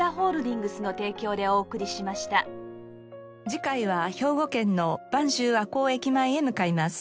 次回は兵庫県の播州赤穂駅前へ向かいます。